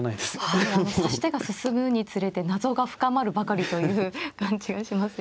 はいあの指し手が進むにつれて謎が深まるばかりという感じがしますよね。